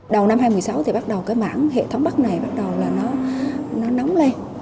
đầu năm hai nghìn một mươi sáu thì bắt đầu cái mảng hệ thống bắc này bắt đầu là nó nóng lên